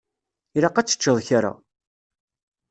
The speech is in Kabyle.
Ilaq ad teččeḍ kra.